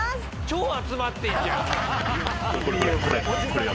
超集まってるじゃん！